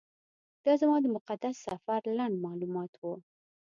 دا زما د مقدس سفر لنډ معلومات و.